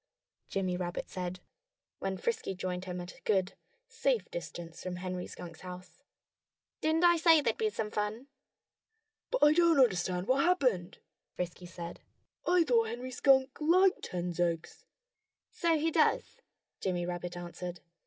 Jimmy Rabbit said, when Frisky joined him at a good, safe distance from Henry Skunk's house. "Didn't I say there'd be some fun?" "But I don't understand what happened," Frisky said. "I thought Henry Skunk liked hens' eggs." "So he does!" Jimmy Rabbit answered.